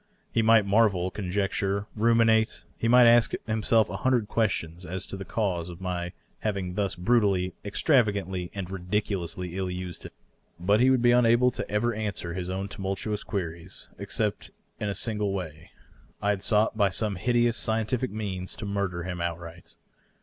He might marvel, conjecture, ruminate ; he might ask himself a hundred questions as to the cause of my having thus brutally, extravagantly and ridiculously ill used him ; but he would be unable ever to answer his own tumultuous queries except in a single way — I had sought by some hideous scien tific means to murder him outright.